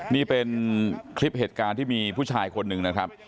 นี่เป็นคลิปเหตุการณ์ที่มีผู้ชายคนหนึ่งนะครับ